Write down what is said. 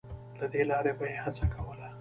له دې لارې به یې هڅه کوله